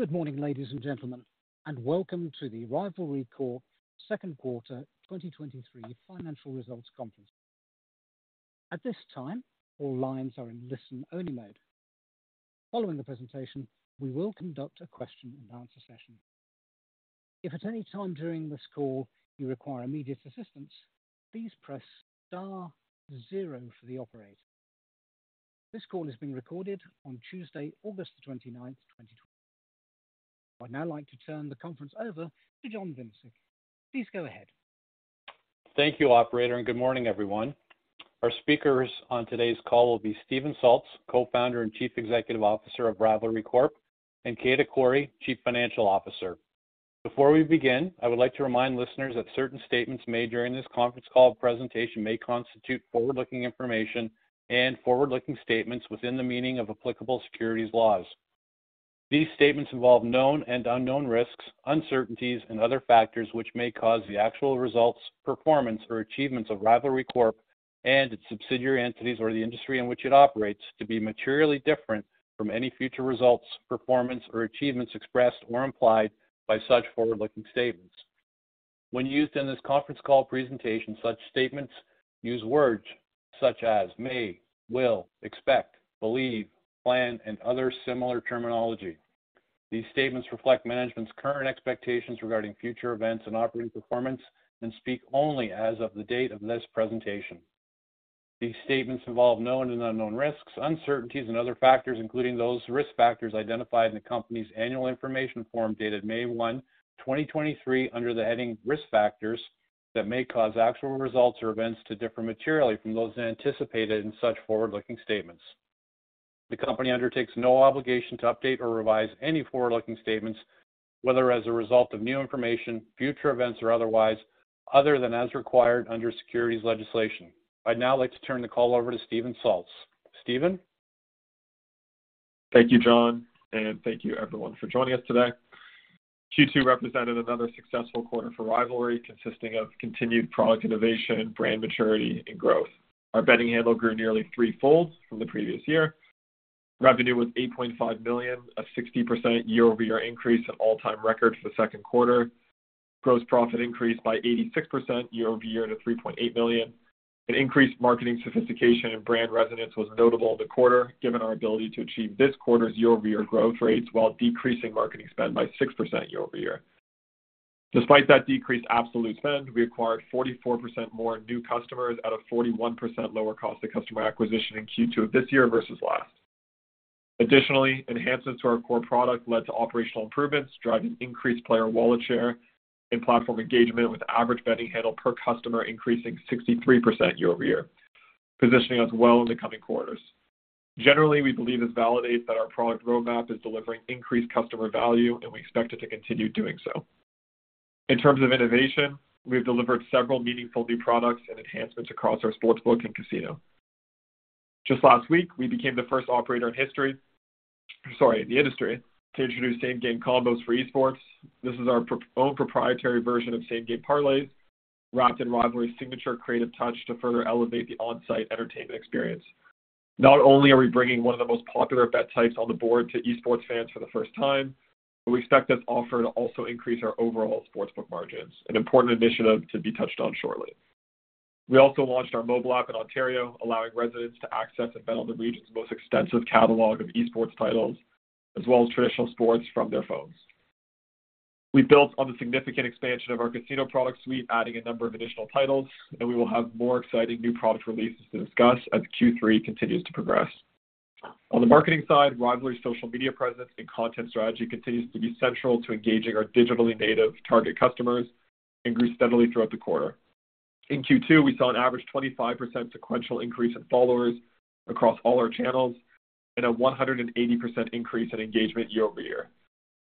Good morning, ladies and gentlemen, and welcome to the Rivalry Corp second quarter 2023 financial results conference. At this time, all lines are in listen-only mode. Following the presentation, we will conduct a question-and-answer session. If at any time during this call you require immediate assistance, please press star zero for the operator. This call is being recorded on Tuesday, August 29, 2023. I'd now like to turn the conference over to John Vincic. Please go ahead. Thank you, operator, and good morning, everyone. Our speakers on today's call will be Steven Salz, Co-founder and Chief Executive Officer of Rivalry Corp, and Kejda Qorri, Chief Financial Officer. Before we begin, I would like to remind listeners that certain statements made during this conference call presentation may constitute forward-looking information and forward-looking statements within the meaning of applicable securities laws. These statements involve known and unknown risks, uncertainties, and other factors which may cause the actual results, performance or achievements of Rivalry Corp and its subsidiary entities or the industry in which it operates, to be materially different from any future results, performance, or achievements expressed or implied by such forward-looking statements. When used in this conference call presentation, such statements use words such as may, will, expect, believe, plan, and other similar terminology. These statements reflect management's current expectations regarding future events and operating performance and speak only as of the date of this presentation. These statements involve known and unknown risks, uncertainties, and other factors, including those risk factors identified in the company's annual information form, dated May 1, 2023, under the heading Risk Factors, that may cause actual results or events to differ materially from those anticipated in such forward-looking statements. The company undertakes no obligation to update or revise any forward-looking statements, whether as a result of new information, future events, or otherwise, other than as required under securities legislation. I'd now like to turn the call over to Steven Salz. Steven? Thank you, John, and thank you everyone for joining us today. Q2 represented another successful quarter for Rivalry, consisting of continued product innovation, brand maturity, and growth. Our betting handle grew nearly threefold from the previous year. Revenue was 8.5 million, a 60% year-over-year increase and all-time record for the second quarter. Gross profit increased by 86% year-over-year to 3.8 million. An increased marketing sophistication and brand resonance was notable in the quarter, given our ability to achieve this quarter's year-over-year growth rates while decreasing marketing spend by 6% year-over-year. Despite that decreased absolute spend, we acquired 44% more new customers at a 41% lower cost to customer acquisition in Q2 of this year versus last. Additionally, enhancements to our core product led to operational improvements, driving increased player wallet share and platform engagement, with average betting handle per customer increasing 63% year-over-year, positioning us well in the coming quarters. Generally, we believe this validates that our product roadmap is delivering increased customer value, and we expect it to continue doing so. In terms of innovation, we've delivered several meaningful new products and enhancements across our sportsbook and casino. Just last week, we became the first operator in history, sorry, in the industry, to introduce Same-Game Combos for Esports. This is our own proprietary version of same-game parlays, wrapped in Rivalry's signature creative touch to further elevate the on-site entertainment experience. Not only are we bringing one of the most popular bet types on the board to esports fans for the first time, but we expect this offer to also increase our overall sportsbook margins, an important initiative to be touched on shortly. We also launched our mobile app in Ontario, allowing residents to access and bet on the region's most extensive catalog of esports titles as well as traditional sports from their phones. We built on the significant expansion of our casino product suite, adding a number of additional titles, and we will have more exciting new product releases to discuss as Q3 continues to progress. On the marketing side, Rivalry's social media presence and content strategy continues to be central to engaging our digitally native target customers and grew steadily throughout the quarter. In Q2, we saw an average 25% sequential increase in followers across all our channels and a 180% increase in engagement year-over-year.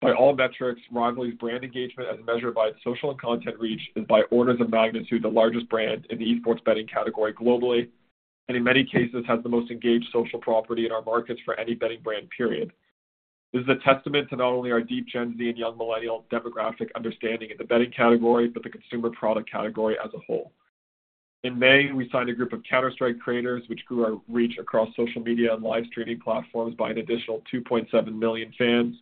By all metrics, Rivalry's brand engagement, as measured by its social and content reach, is by orders of magnitude the largest brand in the esports betting category globally, and in many cases has the most engaged social property in our markets for any betting brand, period. This is a testament to not only our deep Gen Z and young Millennial demographic understanding in the betting category, but the consumer product category as a whole. In May, we signed a group of Counter-Strike creators, which grew our reach across social media and live streaming platforms by an additional 2.7 million fans.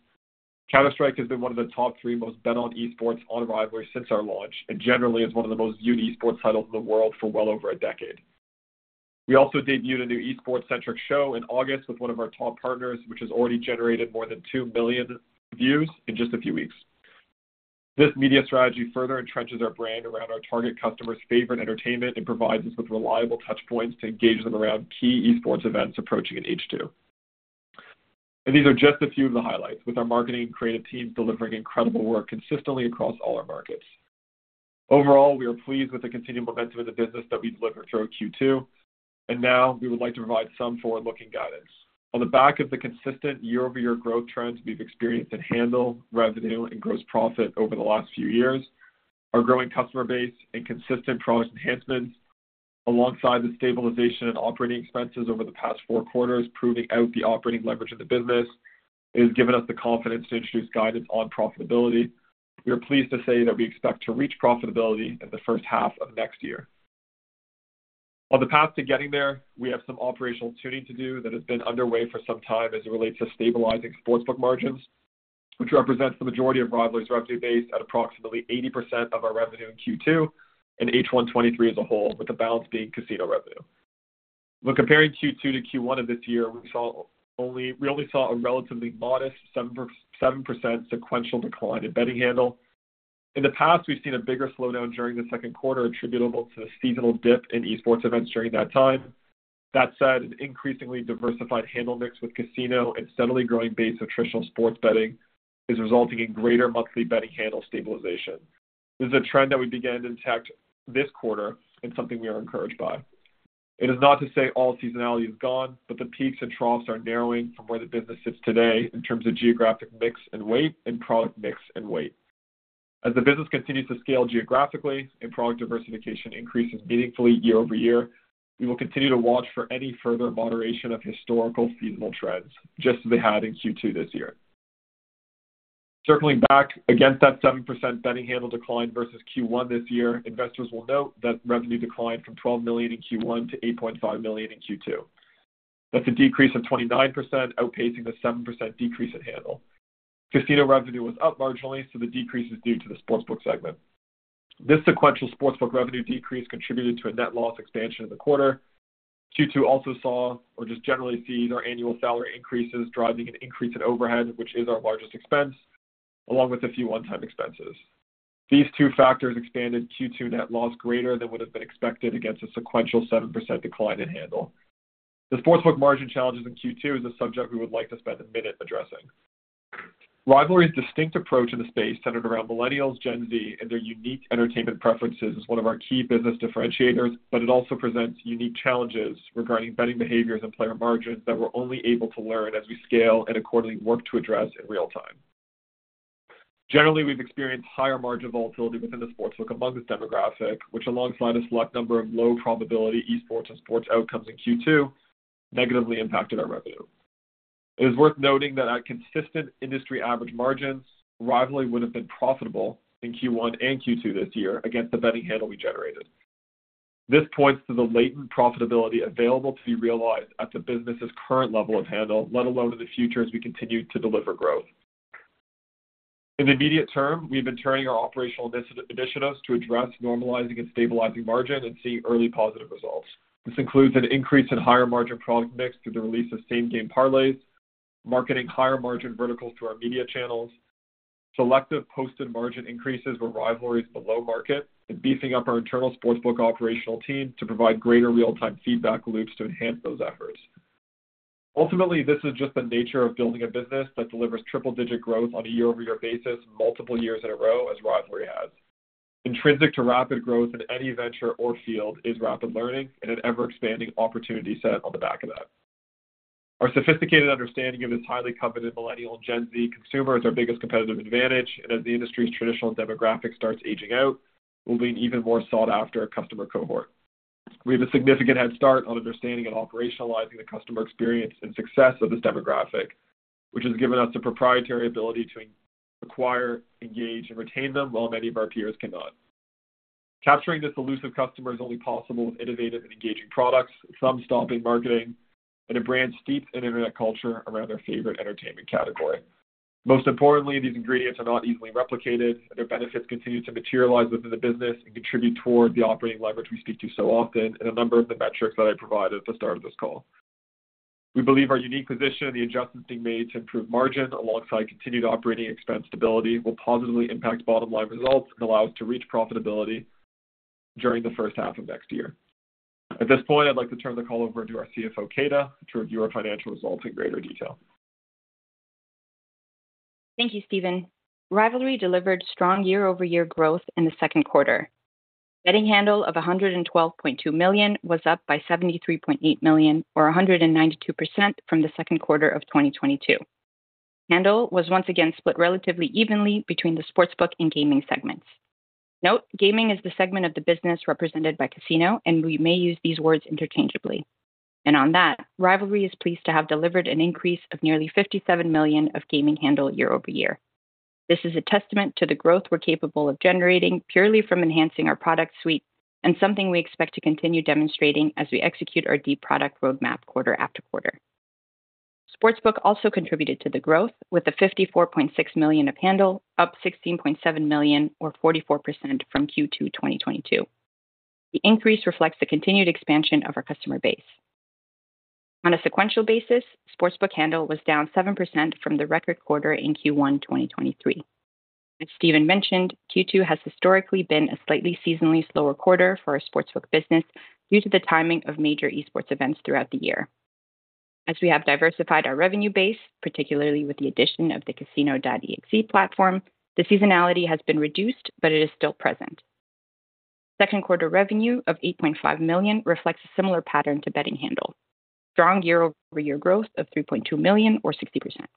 Counter-Strike has been one of the top three most bet on esports on Rivalry since our launch, and generally is one of the most viewed esports titles in the world for well over a decade. We also debuted a new esports-centric show in August with one of our top partners, which has already generated more than 2 million views in just a few weeks. This media strategy further entrenches our brand around our target customers' favorite entertainment and provides us with reliable touchpoints to engage them around key esports events approaching in H2. These are just a few of the highlights, with our marketing and creative teams delivering incredible work consistently across all our markets. Overall, we are pleased with the continued momentum of the business that we delivered throughout Q2, and now we would like to provide some forward-looking guidance. On the back of the consistent year-over-year growth trends we've experienced in handle, revenue and gross profit over the last few years, our growing customer base and consistent product enhancements, alongside the stabilization in operating expenses over the past four quarters, proving out the operating leverage of the business, has given us the confidence to introduce guidance on profitability. We are pleased to say that we expect to reach profitability in the first half of next year. On the path to getting there, we have some operational tuning to do that has been underway for some time as it relates to stabilizing sportsbook margins, which represents the majority of Rivalry's revenue base at approximately 80% of our revenue in Q2 and H1 2023 as a whole, with the balance being casino revenue. When comparing Q2 to Q1 of this year, we only saw a relatively modest 7% sequential decline in betting handle. In the past, we've seen a bigger slowdown during the second quarter, attributable to the seasonal dip in esports events during that time. That said, an increasingly diversified handle mix with casino and steadily growing base of traditional sports betting is resulting in greater monthly betting handle stabilization. This is a trend that we began to detect this quarter and something we are encouraged by. It is not to say all seasonality is gone, but the peaks and troughs are narrowing from where the business sits today in terms of geographic mix and weight and product mix and weight. As the business continues to scale geographically and product diversification increases meaningfully year over year, we will continue to watch for any further moderation of historical seasonal trends, just as they had in Q2 this year. Circling back against that 7% betting handle decline versus Q1 this year, investors will note that revenue declined from 12 million in Q1 to 8.5 million in Q2. That's a decrease of 29%, outpacing the 7% decrease in handle. Casino revenue was up marginally, so the decrease is due to the sportsbook segment. This sequential sportsbook revenue decrease contributed to a net loss expansion in the quarter. Q2 also saw, or just generally sees our annual salary increases, driving an increase in overhead, which is our largest expense, along with a few one-time expenses. These two factors expanded Q2 net loss greater than would have been expected against a sequential 7% decline in handle. The sportsbook margin challenges in Q2 is a subject we would like to spend a minute addressing. Rivalry's distinct approach in the space, centered around Millennials, Gen Z, and their unique entertainment preferences, is one of our key business differentiators, but it also presents unique challenges regarding betting behaviors and player margins that we're only able to learn as we scale and accordingly work to address in real time. Generally, we've experienced higher margin volatility within the sportsbook among this demographic, which, alongside a select number of low probability esports and sports outcomes in Q2, negatively impacted our revenue. It is worth noting that at consistent industry average margins, Rivalry would have been profitable in Q1 and Q2 this year against the betting handle we generated. This points to the latent profitability available to be realized at the business's current level of handle, let alone in the future as we continue to deliver growth. In the immediate term, we've been turning our operational initiatives to address normalizing and stabilizing margin and seeing early positive results. This includes an increase in higher-margin product mix through the release of same-game parlays, marketing higher-margin verticals to our media channels, selective posted margin increases where Rivalry is below market, and beefing up our internal sportsbook operational team to provide greater real-time feedback loops to enhance those efforts. Ultimately, this is just the nature of building a business that delivers triple-digit growth on a year-over-year basis, multiple years in a row, as Rivalry has. Intrinsic to rapid growth in any venture or field is rapid learning and an ever-expanding opportunity set on the back of that. Our sophisticated understanding of this highly coveted Millennial and Gen Z consumer is our biggest competitive advantage, and as the industry's traditional demographic starts aging out, we'll be an even more sought-after customer cohort. We have a significant head start on understanding and operationalizing the customer experience and success of this demographic, which has given us the proprietary ability to acquire, engage, and retain them, while many of our peers cannot. Capturing this elusive customer is only possible with innovative and engaging products, thumb-stopping marketing, and a brand steeped in internet culture around their favorite entertainment category. Most importantly, these ingredients are not easily replicated, and their benefits continue to materialize within the business and contribute toward the operating leverage we speak to so often in a number of the metrics that I provided at the start of this call. We believe our unique position and the adjustments being made to improve margin alongside continued operating expense stability, will positively impact bottom-line results and allow us to reach profitability during the first half of next year. At this point, I'd like to turn the call over to our CFO, Kejda, to review our financial results in greater detail. Thank you, Steven. Rivalry delivered strong year-over-year growth in the second quarter. Betting handle of 112.2 million was up by 73.8 million, or 192% from the second quarter of 2022. Handle was once again split relatively evenly between the sportsbook and gaming segments. Note, gaming is the segment of the business represented by casino, and we may use these words interchangeably. And on that, Rivalry is pleased to have delivered an increase of nearly 57 million of gaming handle year over year. This is a testament to the growth we're capable of generating, purely from enhancing our product suite, and something we expect to continue demonstrating as we execute our deep product roadmap quarter after quarter. Sportsbook also contributed to the growth with 54.6 million of handle, up 16.7 million, or 44% from Q2 2022. The increase reflects the continued expansion of our customer base. On a sequential basis, sportsbook handle was down 7% from the record quarter in Q1 2023. As Stephen mentioned, Q2 has historically been a slightly seasonally slower quarter for our sportsbook business due to the timing of major esports events throughout the year. As we have diversified our revenue base, particularly with the addition of the Casino.exe platform, the seasonality has been reduced, but it is still present. Second quarter revenue of 8.5 million reflects a similar pattern to betting handle. Strong year-over-year growth of 3.2 million, or 60%. At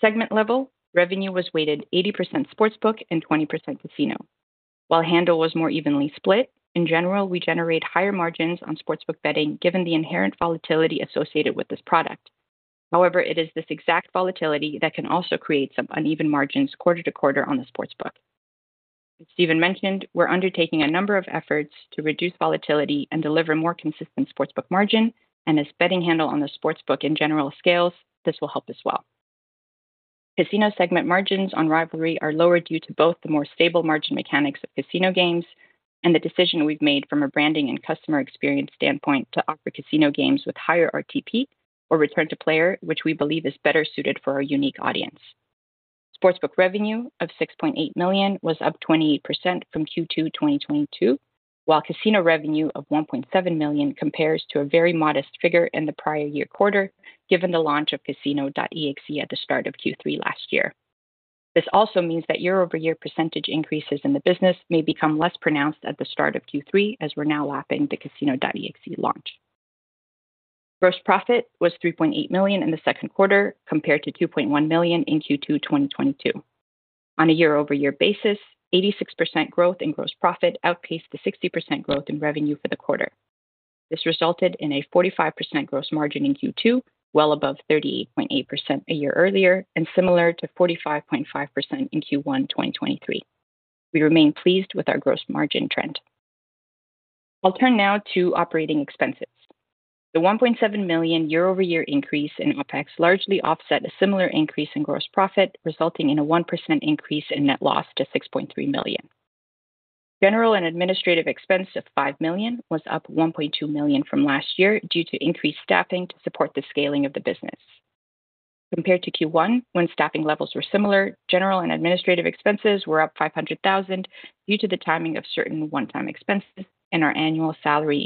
segment level, revenue was weighted 80% sportsbook and 20% casino. While handle was more evenly split, in general, we generate higher margins on sportsbook betting given the inherent volatility associated with this product. However, it is this exact volatility that can also create some uneven margins quarter to quarter on the sportsbook. As Steven mentioned, we're undertaking a number of efforts to reduce volatility and deliver more consistent sportsbook margin, and as betting handle on the sportsbook in general scales, this will help as well. Casino segment margins on Rivalry are lower due to both the more stable margin mechanics of casino games and the decision we've made from a branding and customer experience standpoint to offer casino games with higher RTP, or Return to Player, which we believe is better suited for our unique audience. Sportsbook revenue of 6.8 million was up 28% from Q2 2022, while casino revenue of 1.7 million compares to a very modest figure in the prior year quarter, given the launch of Casino.exe at the start of Q3 last year. This also means that year-over-year percentage increases in the business may become less pronounced at the start of Q3, as we're now lapping the Casino.exe launch. Gross profit was 3.8 million in the second quarter, compared to 2.1 million in Q2 2022. On a year-over-year basis, 86% growth in gross profit outpaced the 60% growth in revenue for the quarter. This resulted in a 45% gross margin in Q2, well above 38.8% a year earlier, and similar to 45.5% in Q1 2023. We remain pleased with our gross margin trend. I'll turn now to operating expenses. The 1.7 million year-over-year increase in OpEx largely offset a similar increase in gross profit, resulting in a 1% increase in net loss to 6.3 million. General and administrative expense of 5 million was up 1.2 million from last year due to increased staffing to support the scaling of the business. Compared to Q1, when staffing levels were similar, general and administrative expenses were up 500,000 due to the timing of certain one-time expenses and our annual salary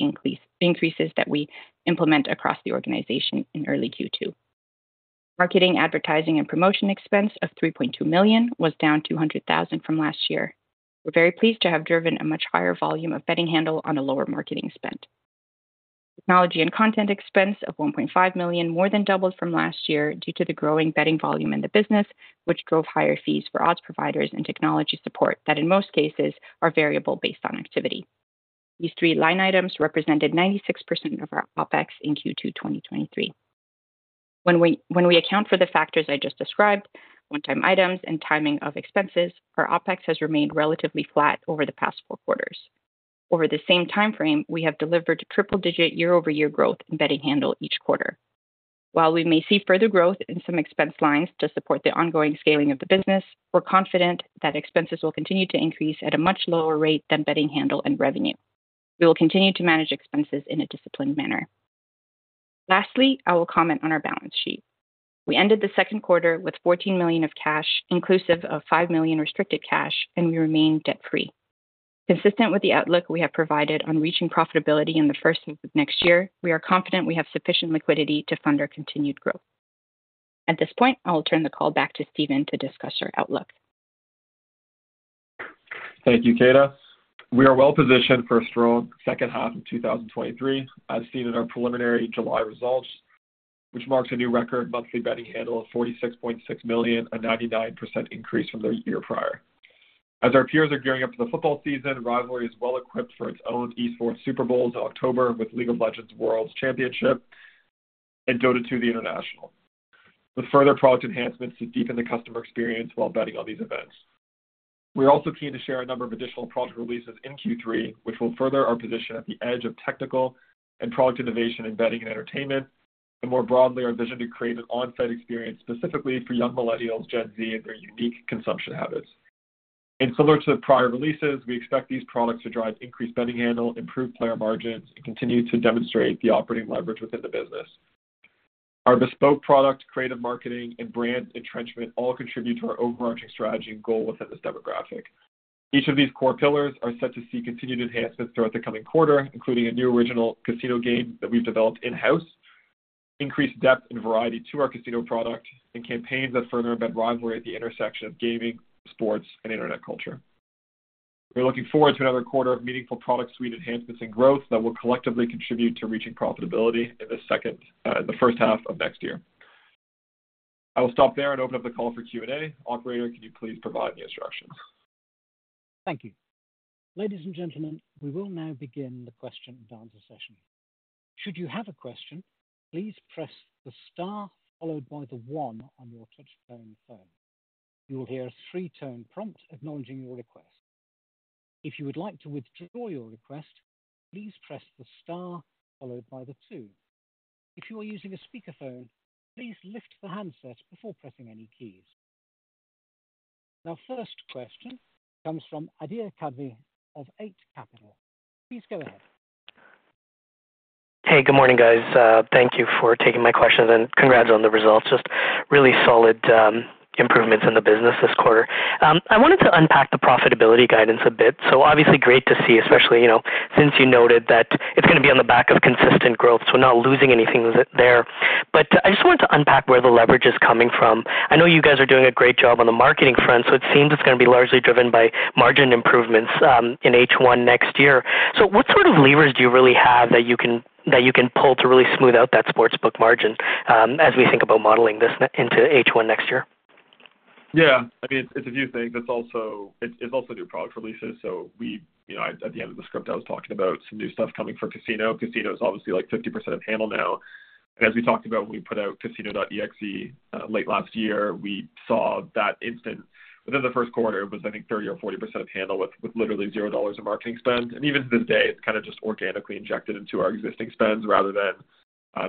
increases that we implement across the organization in early Q2. Marketing, advertising, and promotion expense of 3.2 million was down 200,000 from last year. We're very pleased to have driven a much higher volume of betting handle on a lower marketing spend. Technology and content expense of 1.5 million more than doubled from last year due to the growing betting volume in the business, which drove higher fees for odds providers and technology support, that in most cases, are variable based on activity. These three line items represented 96% of our OpEx in Q2 2023. When we account for the factors I just described, one-time items, and timing of expenses, our OpEx has remained relatively flat over the past four quarters. Over the same timeframe, we have delivered triple-digit year-over-year growth in betting handle each quarter. While we may see further growth in some expense lines to support the ongoing scaling of the business, we're confident that expenses will continue to increase at a much lower rate than betting handle and revenue. We will continue to manage expenses in a disciplined manner. Lastly, I will comment on our balance sheet. We ended the second quarter with 14 million of cash, inclusive of 5 million restricted cash, and we remain debt-free. Consistent with the outlook we have provided on reaching profitability in the first half of next year, we are confident we have sufficient liquidity to fund our continued growth. At this point, I will turn the call back to Steven to discuss our outlook. Thank you, Kejda. We are well positioned for a strong second half of 2023, as seen in our preliminary July results, which marks a new record monthly betting handle of 46.6 million, a 99% increase from the year prior. As our peers are gearing up for the football season, Rivalry is well equipped for its own Esports Super Bowls in October with League of Legends Worlds Championship and Dota 2, The International. With further product enhancements to deepen the customer experience while betting on these events. We are also keen to share a number of additional product releases in Q3, which will further our position at the edge of technical and product innovation in betting and entertainment, and more broadly, our vision to create an on-site experience specifically for young Millennials, Gen Z, and their unique consumption habits. Similar to the prior releases, we expect these products to drive increased betting handle, improved player margins, and continue to demonstrate the operating leverage within the business. Our bespoke product, creative marketing, and brand entrenchment all contribute to our overarching strategy and goal within this demographic. Each of these core pillars are set to see continued enhancements throughout the coming quarter, including a new original casino game that we've developed in-house, increased depth and variety to our casino product, and campaigns that further embed Rivalry at the intersection of gaming, sports, and internet culture. We're looking forward to another quarter of meaningful product suite enhancements and growth that will collectively contribute to reaching profitability in the first half of next year. I will stop there and open up the call for Q&A. Operator, could you please provide the instructions? Thank you. Ladies and gentlemen, we will now begin the question and answer session. Should you have a question, please press the star followed by the one on your touch-tone phone. You will hear a three-tone prompt acknowledging your request. If you would like to withdraw your request, please press the star followed by the two. If you are using a speakerphone, please lift the handset before pressing any keys. Our first question comes from Adhir Kadve from Eight Capital. Please go ahead. Hey, good morning, guys. Thank you for taking my questions, and congrats on the results. Just really solid improvements in the business this quarter. I wanted to unpack the profitability guidance a bit. So obviously great to see, especially, you know, since you noted that it's gonna be on the back of consistent growth, so not losing anything there. But I just wanted to unpack where the leverage is coming from. I know you guys are doing a great job on the marketing front, so it seems it's gonna be largely driven by margin improvements in H1 next year. So what sort of levers do you really have that you can, that you can pull to really smooth out that sportsbook margin as we think about modeling this into H1 next year? ...Yeah, I mean, it's a few things. It's also new product releases. So we, you know, at the end of the script, I was talking about some new stuff coming for casino. Casino is obviously like 50% of handle now. And as we talked about when we put out Casino.exe, late last year, we saw that instantly within the first quarter, it was, I think, 30 or 40% of handle with literally 0 dollars of marketing spend. And even to this day, it's kind of just organically injected into our existing spends rather than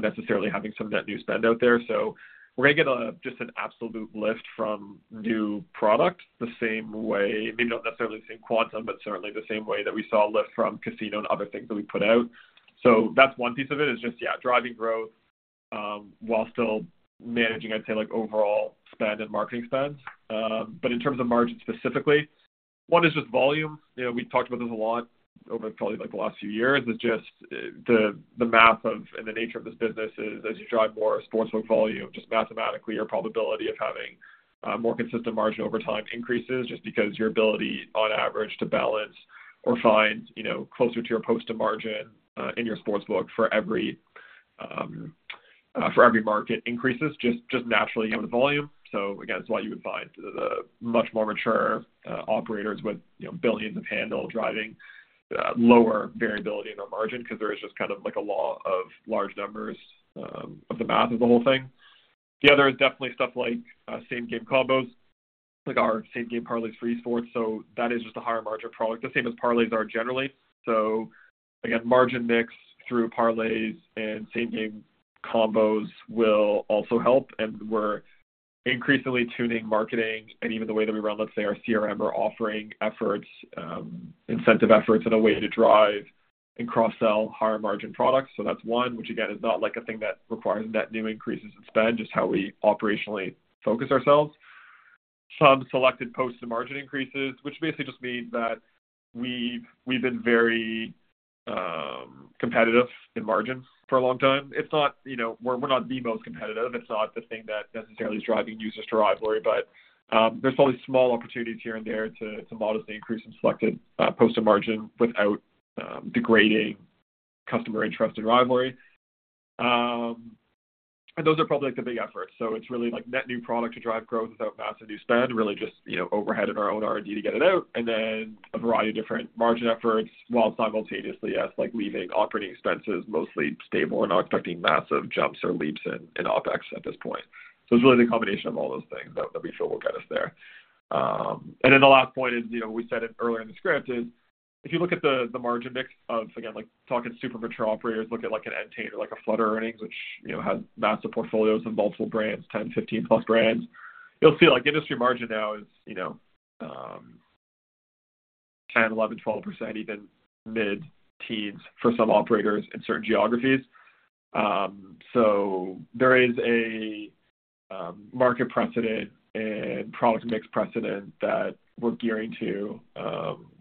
necessarily having some net new spend out there. So we're gonna get just an absolute lift from new products the same way, maybe not necessarily the same quantum, but certainly the same way that we saw a lift from casino and other things that we put out. So that's one piece of it, is just, yeah, driving growth, while still managing, I'd say, like, overall spend and marketing spend. But in terms of margin specifically, one is just volume. You know, we talked about this a lot over probably, like, the last few years. It's just the math of and the nature of this business is as you drive more sportsbook volume, just mathematically, your probability of having more consistent margin over time increases just because your ability on average, to balance or find, you know, closer to your post of margin in your sportsbook for every market increases just naturally on the volume. So again, it's why you would find the much more mature operators with, you know, billions of handle driving lower variability in their margin, because there is just kind of like a law of large numbers of the math of the whole thing. The other is definitely stuff like Same-Game Combos, like our same-game parlays for esports. So that is just a higher margin product, the same as parlays are generally. So again, margin mix through parlays and same-game combos will also help, and we're increasingly tuning marketing and even the way that we run, let's say, our CRM or offering efforts, incentive efforts in a way to drive and cross-sell higher margin products. So that's one which, again, is not like a thing that requires net new increases in spend, just how we operationally focus ourselves. Some selected posts to margin increases, which basically just means that we've been very competitive in margins for a long time. It's not—you know, we're not the most competitive. It's not the thing that necessarily is driving users to Rivalry, but there's always small opportunities here and there to modestly increase in selected posted margin without degrading customer interest in Rivalry. And those are probably, like, the big efforts. So it's really like net new product to drive growth without massive new spend, really just, you know, overhead in our own R&D to get it out, and then a variety of different margin efforts while simultaneously as, like, leaving operating expenses mostly stable and not expecting massive jumps or leaps in OpEx at this point. So it's really the combination of all those things that we feel will get us there. And then the last point is, you know, we said it earlier in the script, is if you look at the margin mix of, again, like talking super mature operators, look at like an Entain or like a Flutter Entertainment, which, you know, has massive portfolios of multiple brands, 10, 15+ brands. You'll see, like, industry margin now is, you know, 10, 11, 12%, even mid-teens for some operators in certain geographies. So there is a market precedent and product mix precedent that we're gearing to,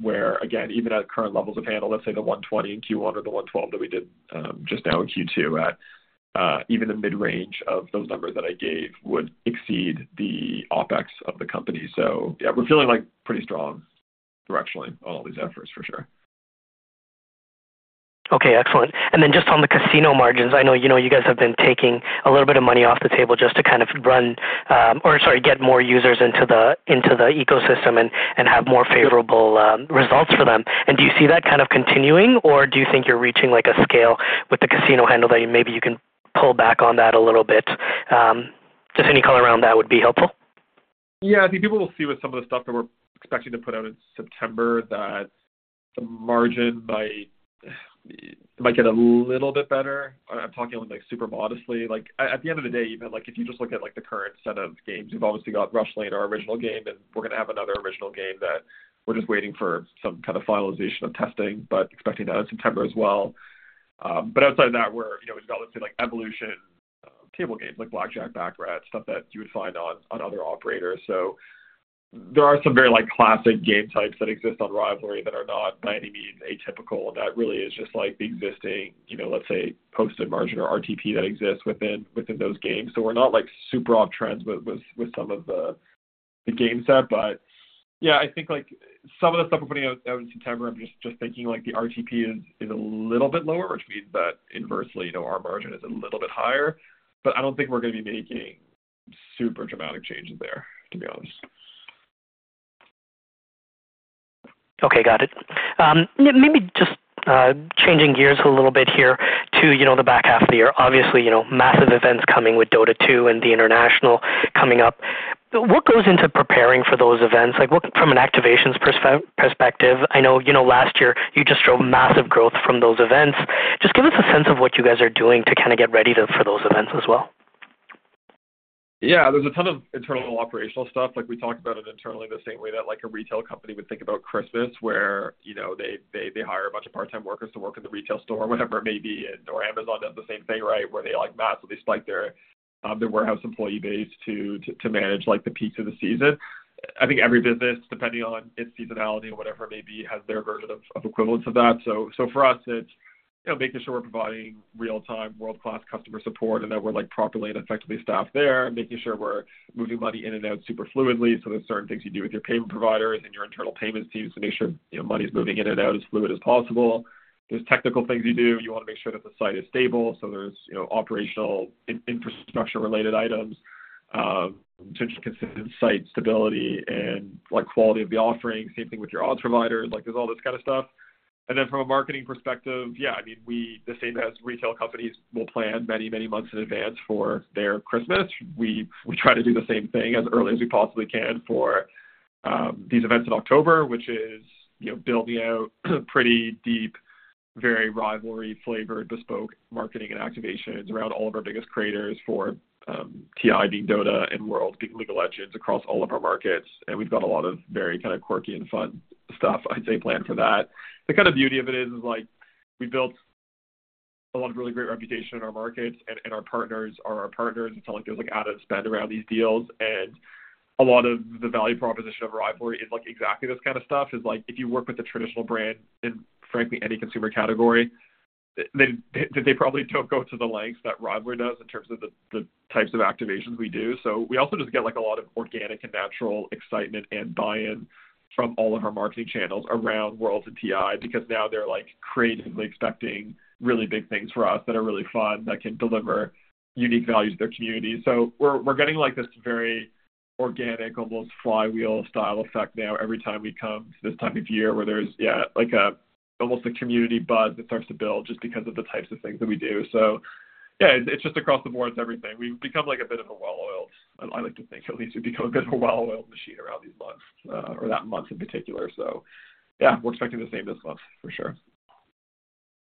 where, again, even at current levels of handle, let's say the 120 in Q1 or the 112 that we did just now in Q2, at even the mid-range of those numbers that I gave would exceed the OpEx of the company. So yeah, we're feeling, like, pretty strong directionally on all these efforts, for sure. Okay, excellent. And then just on the casino margins, I know, you know, you guys have been taking a little bit of money off the table just to kind of run, or sorry, get more users into the ecosystem and have more favorable results for them. And do you see that kind of continuing, or do you think you're reaching like a scale with the casino handle that maybe you can pull back on that a little bit? Just any color around that would be helpful. Yeah, I think people will see with some of the stuff that we're expecting to put out in September, that the margin might, might get a little bit better. I'm talking, like, super modestly. Like, at the end of the day, even, like, if you just look at, like, the current set of games, we've obviously got Rushlane, our original game, and we're going to have another original game that we're just waiting for some kind of finalization of testing, but expecting that in September as well. But outside of that, we're, you know, we've got, let's say, like, Evolution table games like blackjack, baccarat, stuff that you would find on, on other operators. So there are some very, like, classic game types that exist on Rivalry that are not by any means atypical, and that really is just like the existing, you know, let's say, posted margin or RTP that exists within those games. So we're not, like, super off trends with some of the game set. But yeah, I think, like, some of the stuff we're putting out in September, I'm just thinking, like, the RTP is a little bit lower, which means that inversely, you know, our margin is a little bit higher, but I don't think we're going to be making super dramatic changes there, to be honest. Okay, got it. Maybe just changing gears a little bit here to, you know, the back half of the year. Obviously, you know, massive events coming with Dota 2 and The International coming up. What goes into preparing for those events? Like, what from an activations perspective. I know, you know, last year you just drove massive growth from those events. Just give us a sense of what you guys are doing to kind of get ready for those events as well. Yeah, there's a ton of internal operational stuff. Like, we talked about it internally, the same way that like a retail company would think about Christmas, where, you know, they hire a bunch of part-time workers to work at the retail store or whatever it may be, and/or Amazon does the same thing, right? Where they like, massively spike their warehouse employee base to manage, like, the peaks of the season. I think every business, depending on its seasonality or whatever it may be, has their version of equivalence of that. So for us, it's, you know, making sure we're providing real-time, world-class customer support and that we're, like, properly and effectively staffed there, and making sure we're moving money in and out super fluidly. So there's certain things you do with your payment providers and your internal payments teams to make sure, you know, money is moving in and out as fluid as possible. There's technical things you do. You want to make sure that the site is stable, so there's, you know, operational infrastructure-related items, consistent site stability and like quality of the offering. Same thing with your odds provider, like, there's all this kind of stuff. And then from a marketing perspective, yeah, I mean, the same as retail companies will plan many, many months in advance for their Christmas. We try to do the same thing as early as we possibly can for these events in October, which is, you know, building out pretty deep, very Rivalry-flavored, bespoke marketing and activations around all of our biggest creators for TI being Dota and World being League of Legends across all of our markets. And we've got a lot of very kind of quirky and fun stuff, I'd say, planned for that. The kind of beauty of it is like we built a lot of really great reputation in our markets, and our partners are our partners in terms of like ad and spend around these deals. And a lot of the value proposition of Rivalry is like exactly this kind of stuff. It's like, if you work with a traditional brand in, frankly, any consumer category, they, they, they probably don't go to the lengths that Rivalry does in terms of the, the types of activations we do. So we also just get, like, a lot of organic and natural excitement and buy-in from all of our marketing channels around Worlds and TI, because now they're like creatively expecting really big things for us that are really fun, that can deliver unique value to their community. So we're, we're getting like this very organic, almost flywheel style effect now, every time we come to this time of year where there's, yeah, like a- almost a community buzz that starts to build just because of the types of things that we do. So yeah, it's just across the board, it's everything. We've become like a bit of a well-oiled, I like to think at least, we've become a bit of a well-oiled machine around these months, or that month in particular. So yeah, we're expecting the same this month, for sure.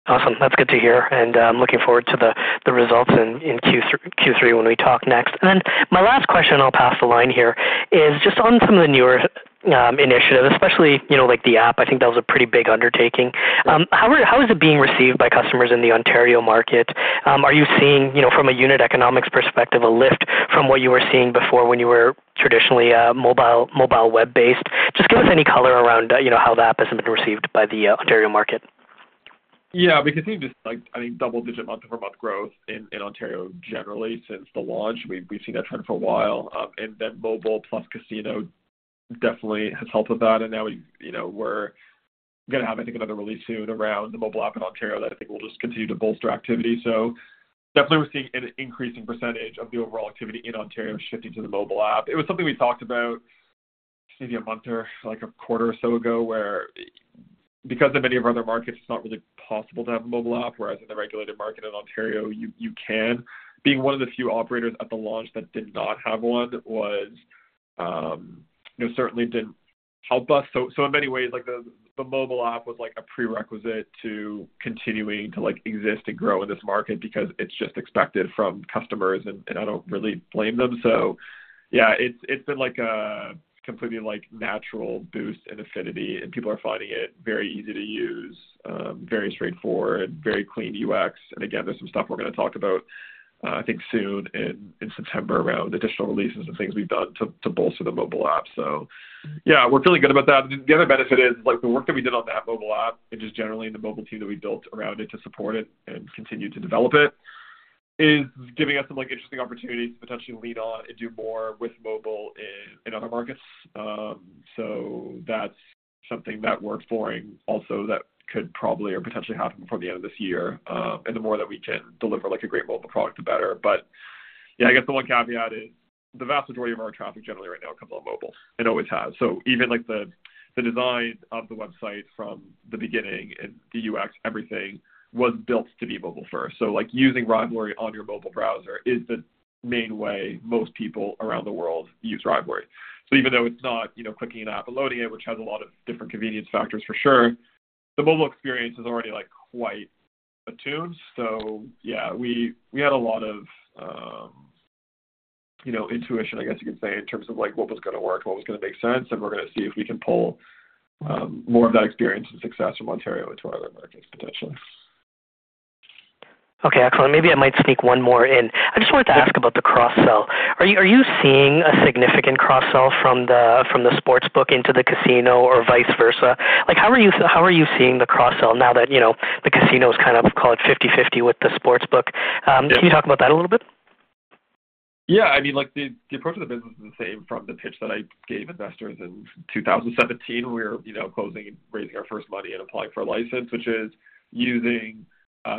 Awesome. That's good to hear, and I'm looking forward to the results in Q3 when we talk next. Then my last question, I'll pass the line here, is just on some of the newer initiatives, especially, you know, like the app. I think that was a pretty big undertaking. How is it being received by customers in the Ontario market? Are you seeing, you know, from a unit economics perspective, a lift from what you were seeing before when you were traditionally mobile web-based? Just give us any color around, you know, how the app has been received by the Ontario market. Yeah, we can see just like, I think, double-digit month-over-month growth in Ontario generally since the launch. We've seen that trend for a while. And then mobile plus casino definitely has helped with that. And now you know, we're gonna have, I think, another release soon around the mobile app in Ontario that I think will just continue to bolster activity. So definitely we're seeing an increase in percentage of the overall activity in Ontario shifting to the mobile app. It was something we talked about maybe a month or like a quarter or so ago, where because of many of our other markets, it's not really possible to have a mobile app, whereas in the regulated market in Ontario, you can. Being one of the few operators at the launch that did not have one was, you know, certainly didn't help us. So in many ways, like, the mobile app was like a prerequisite to continuing to, like, exist and grow in this market because it's just expected from customers, and I don't really blame them. So yeah, it's been like a completely, like, natural boost in affinity, and people are finding it very easy to use, very straightforward, very clean UX. And again, there's some stuff we're gonna talk about, I think soon in September around additional releases and things we've done to bolster the mobile app. So yeah, we're feeling good about that. The other benefit is, like, the work that we did on that mobile app and just generally the mobile team that we built around it to support it and continue to develop it, is giving us some interesting opportunities to potentially lean on and do more with mobile in other markets. So that's something that we're exploring also that could probably or potentially happen before the end of this year. And the more that we can deliver, like, a great mobile product, the better. But yeah, I guess the one caveat is the vast majority of our traffic generally right now comes on mobile, and always has. So even, like, the design of the website from the beginning and the UX, everything was built to be mobile first. So, like, using Rivalry on your mobile browser is the main way most people around the world use Rivalry. So even though it's not, you know, clicking an app and loading it, which has a lot of different convenience factors, for sure, the mobile experience is already, like, quite attuned. So yeah, we had a lot of, you know, intuition, I guess you could say, in terms of like, what was gonna work, what was gonna make sense, and we're gonna see if we can pull more of that experience and success from Ontario into other markets, potentially. Okay, excellent. Maybe I might sneak one more in. I just wanted to ask about the cross-sell. Are you, are you seeing a significant cross-sell from the, from the sportsbook into the casino or vice versa? Like, how are you- how are you seeing the cross-sell now that, you know, the casino is kind of, call it, 50/50 with the sportsbook? Can you talk about that a little bit? Yeah, I mean, like, the approach of the business is the same from the pitch that I gave investors in 2017, where we were, you know, closing and raising our first money and applying for a license, which is using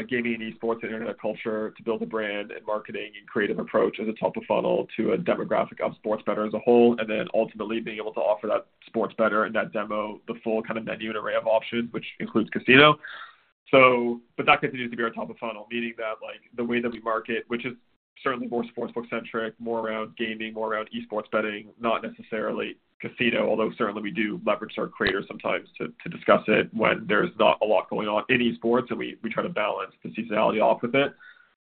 gaming, esports, and internet culture to build a brand and marketing and creative approach as a top-of-funnel to a demographic of sports betters as a whole, and then ultimately being able to offer that sports bettor and that demo, the full kind of menu and array of options, which includes casino. So, but that continues to be our top of funnel, meaning that, like, the way that we market, which is certainly more sportsbook-centric, more around gaming, more around esports betting, not necessarily casino. Although certainly we do leverage our creators sometimes to discuss it when there's not a lot going on in esports, so we try to balance the seasonality off with it.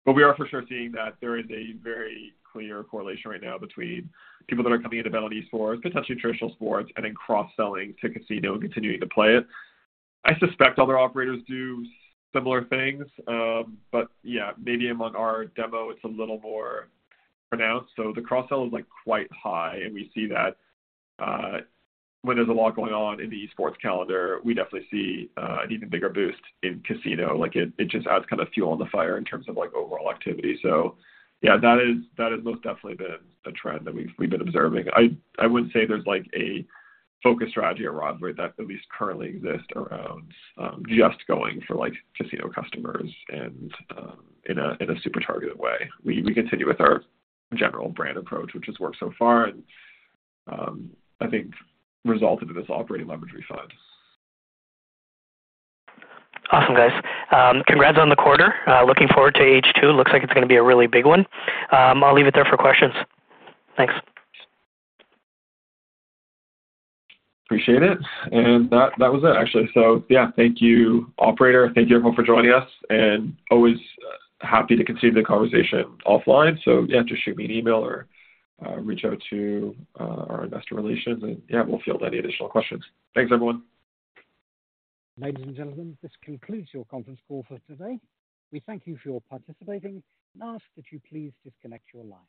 But we are for sure seeing that there is a very clear correlation right now between people that are coming in to bet on esports, potentially traditional sports, and then cross-selling to casino and continuing to play it. I suspect other operators do similar things. But yeah, maybe among our demo, it's a little more pronounced. So the cross-sell is, like, quite high, and we see that when there's a lot going on in the esports calendar, we definitely see an even bigger boost in casino. Like, it just adds kind of fuel on the fire in terms of, like, overall activity. So yeah, that has most definitely been a trend that we've been observing. I wouldn't say there's, like, a focused strategy at Rivalry that at least currently exists around just going for, like, casino customers and in a super targeted way. We continue with our general brand approach, which has worked so far and I think resulted in this operating leverage we find. Awesome, guys. Congrats on the quarter. Looking forward to H2. Looks like it's gonna be a really big one. I'll leave it there for questions. Thanks. Appreciate it. And that was it, actually. So yeah, thank you, operator. Thank you everyone for joining us, and always happy to continue the conversation offline. So yeah, just shoot me an email or, reach out to, our investor relations, and yeah, we'll field any additional questions. Thanks, everyone. Ladies and gentlemen, this concludes your conference call for today. We thank you for participating and ask that you please disconnect your line.